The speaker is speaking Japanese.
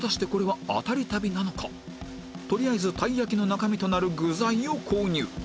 とりあえずたい焼きの中身となる具材を購入